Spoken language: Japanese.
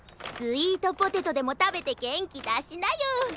スイートポテトでもたべてげんきだしなよ。